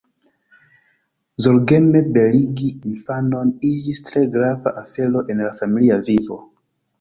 Zorgeme beligi infanon iĝis tre grava afero en la familia vivo.